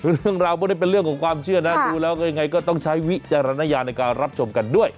เรื่องราวพวกนี้เป็นเรื่องของความเชื่อนะดูแล้วก็ยังไงก็ต้องใช้วิจารณญาณในการรับชมกันด้วย